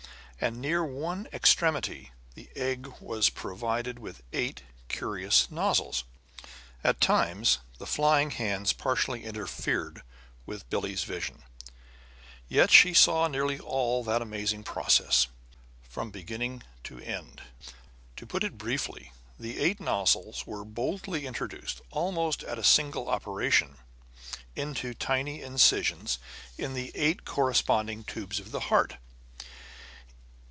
And near one extremity the egg was provided with eight curious nozzles. At times the flying hands partly interfered with Billie's vision; yet she saw nearly all that amazing process, from beginning to end. To put it briefly, the eight nozzles were boldly introduced, almost at a single operation, into tiny incisions in the eight corresponding tubes of the heart.